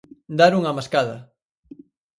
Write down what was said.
Dar unha mascada